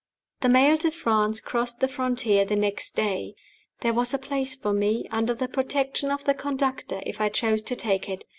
The mail to France crossed the frontier the next day. There was a place for me, under the protection of the conductor, if I chose to take it.